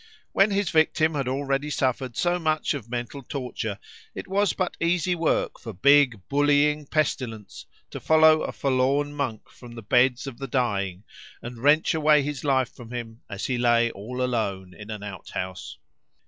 When his victim had already suffered so much of mental torture, it was but easy work for big bullying pestilence to follow a forlorn monk from the beds of the dying, and wrench away his life from him as he lay all alone in an outhouse.